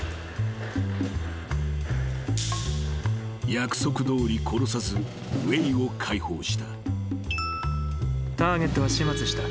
［約束どおり殺さずウェイを解放した］